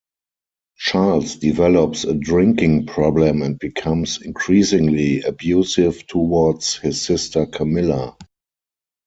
Charles develops a drinking problem and becomes increasingly abusive towards his sister Camilla.